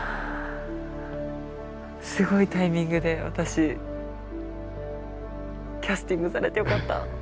すごいタイミングで私キャスティングされてよかった。